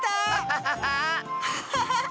ハハハハッ！